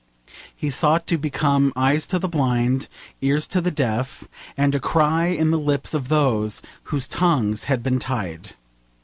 He sought to become eyes to the blind, ears to the deaf, and a cry in the lips of those whose tongues had been tied.